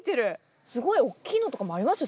すごい大きいのとかもありますよ